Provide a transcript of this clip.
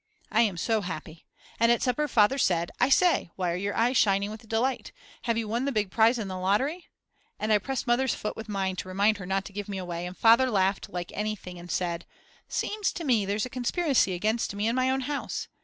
I am so happy. And at supper Father said: I say, why are your eyes shining with delight? Have you won the big prize in the lottery? and I pressed Mother's foot with mine to remind her not to give me away and Father laughed like anything and said: Seems to me there's a conspiracy against me in my own house.